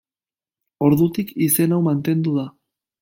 Ordutik, izen hau mantendu da.